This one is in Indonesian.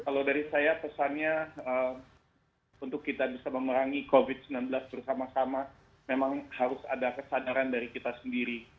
kalau dari saya pesannya untuk kita bisa memerangi covid sembilan belas bersama sama memang harus ada kesadaran dari kita sendiri